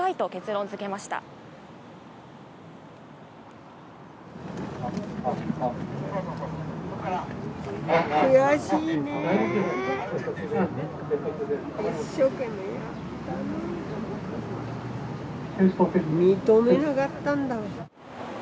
認めなかったんだ。